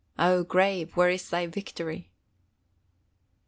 O grave, where is thy victory?"